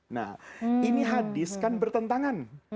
nah ini hadis kan bertentangan